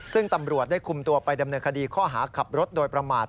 ซึ่งตำรวจได้คุมตัวไปดำเนินคดีข้อหาขับรถโดยประมาท